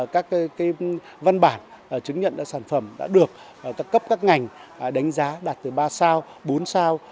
các văn bản chứng nhận sản phẩm đã được các cấp các ngành đánh giá đạt từ ba sao bốn sao